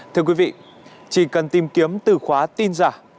thưa quý vị chỉ cần tìm kiếm từ khóa tin giả